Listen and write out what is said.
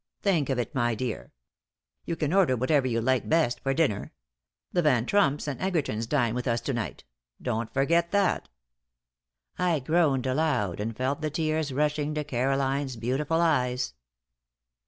Think of it, my dear! You can order whatever you like best for dinner. The Van Tromps and Edgertons dine with us to night. Don't forget that." I groaned aloud, and felt the tears rushing to Caroline's beautiful eyes.